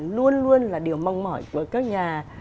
luôn luôn là điều mong mỏi của các nhà